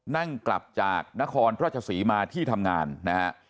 นั่งกลับจากนครราชศรีมาที่ทำงานนะฮะ